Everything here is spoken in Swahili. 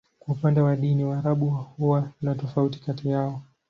Kwa upande wa dini, Waarabu huwa na tofauti kati yao.